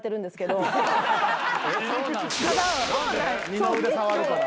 二の腕触るから。